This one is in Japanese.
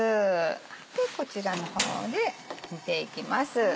こちらの方で煮ていきます。